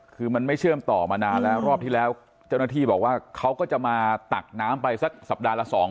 คือมันไม่เชื่อมต่อมานานแล้วรอบที่แล้วเจ้าหน้าที่บอกว่าเขาก็จะมาตักน้ำไปสักสัปดาห์ละสอง